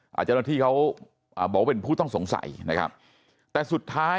เจ้าหน้าที่เขาอ่าบอกว่าเป็นผู้ต้องสงสัยนะครับแต่สุดท้าย